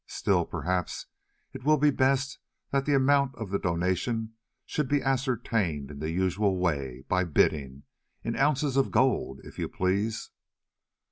Still, perhaps, it will be best that the amount of the donation should be ascertained in the usual way, by bidding—in ounces of gold, if you please!